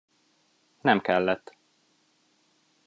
Nem kellett.